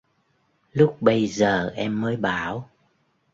Lúc bây giờ em mới bảo